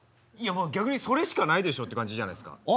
いやもう逆にそれしかないでしょっていう感じじゃないですか。